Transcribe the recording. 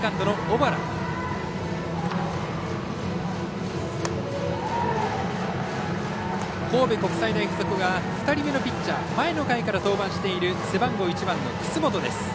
神戸国際大付属が２人目のピッチャー前の回から登板している背番号１番の楠本。